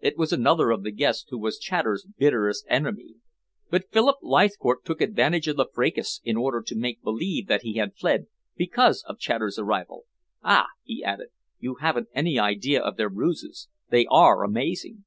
It was another of the guests who was Chater's bitterest enemy. But Philip Leithcourt took advantage of the fracas in order to make believe that he had fled because of Chater's arrival. Ah!" he added, "you haven't any idea of their ruses. They are amazing!"